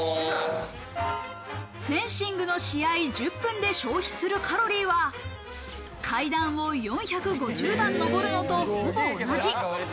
フェンシングの試合１０分で消費するカロリーは階段を４５０段上るのとほぼ同じ。